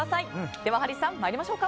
では、ハリーさん参りましょうか。